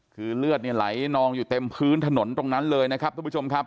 คือเลือดเนี่ยไหลนองอยู่เต็มพื้นถนนตรงนั้นเลยนะครับทุกผู้ชมครับ